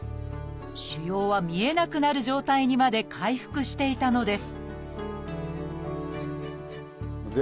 腫瘍は見えなくなくなる状態にまで回復していたのです